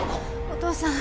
お父さん！